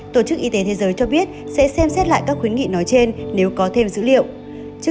tổ chức y tế thế giới cho biết sẽ xem xét lại các khuyến nghị nói trên nếu có thêm dữ liệu